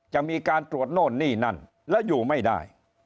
จะมีการตรวจโน่นนี่นั่นแล้วอยู่ไม่ได้